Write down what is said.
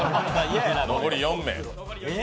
残り４名。